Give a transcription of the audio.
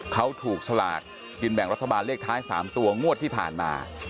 เขาถูกสลากกินแบ่งรัฐบาลเลขท้าย๓ตัวงวดที่ผ่านมา